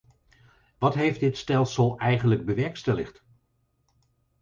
Wat heeft dit stelsel eigenlijk bewerkstelligd?